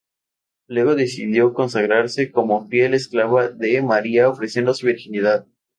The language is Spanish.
Luego decidió consagrarse como fiel esclava de María ofreciendo su virginidad.